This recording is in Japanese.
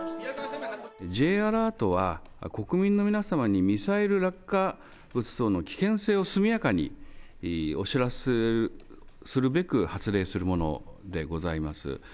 Ｊアラートは、国民の皆様にミサイル落下物等の危険性を速やかにお知らせするべく発令するものでございます。